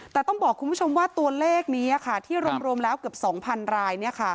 แต่ต้องบอกคุณผู้ชมว่าตัวเลขนี้ที่รวมแล้วเกือบ๒๐๐ราย